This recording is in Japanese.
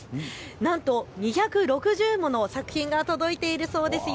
なんと２６０もの作品が届いているそうですよ。